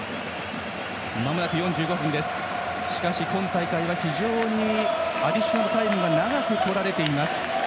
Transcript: しかし今大会は非常にアディショナルタイムが長くとられています。